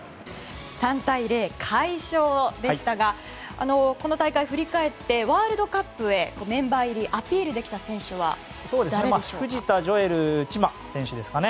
３対０、快勝でしたがこの大会振り返ってワールドカップへメンバー入りアピールできた選手は誰でしょう？